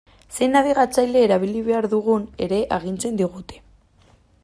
Zein nabigatzaile erabili behar dugun ere agintzen digute.